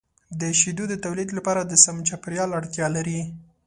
د شیدو د تولید لپاره د سم چاپیریال اړتیا لري.